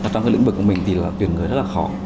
trong lĩnh vực của mình thì tuyển người rất là khó